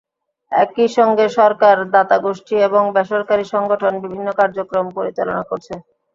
একই সঙ্গে সরকার, দাতাগোষ্ঠী এবং বেসরকারি সংগঠন বিভিন্ন কার্যক্রম পরিচালনা করছে।